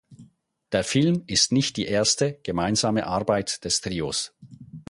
Der Film ist nicht die erste gemeinsame Arbeit des Trios.